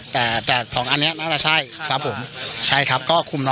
แต่จากสองอันนี้น่าจะใช่ครับผม